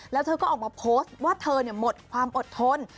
แล้วเธอก็ออกมาโพสต์ว่าเธอหมดความอดทน